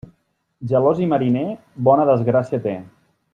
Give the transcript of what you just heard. Gelós i mariner, bona desgràcia té.